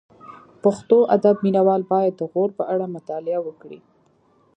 د پښتو ادب مینه وال باید د غور په اړه مطالعه وکړي